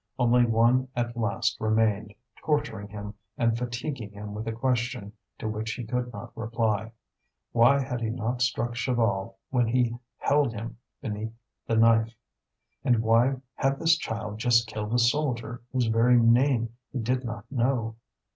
Only one at last remained, torturing him and fatiguing him with a question to which he could not reply: Why had he not struck Chaval when he held him beneath the knife? and why had this child just killed a soldier whose very name he did not know?